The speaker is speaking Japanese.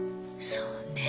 そうね。